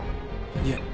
いえ